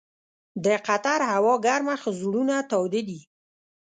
د قطر هوا ګرمه خو زړونه تاوده دي.